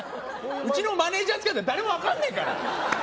うちのマネージャー来ても誰もわかんねえから！